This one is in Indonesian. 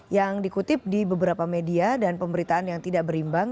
yang dikutip di beberapa media dan pemberitaan yang tidak berimbang